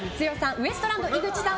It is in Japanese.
ウエストランド井口さん